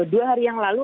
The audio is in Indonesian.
dua hari yang lalu